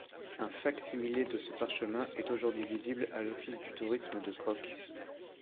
Un fac-similé de ce parchemin est aujourd'hui visible à l'Office du Tourisme de Crocq.